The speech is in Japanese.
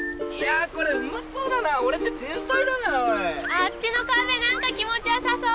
あっちの川辺何か気持ちよさそう。